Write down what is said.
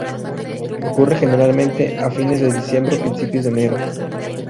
Ocurre generalmente a fines de diciembre o principios de enero.